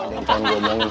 tentang gue mau sih